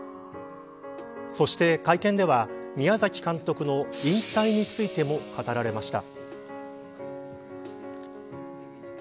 そして会見では宮崎監督の引退についても語られました。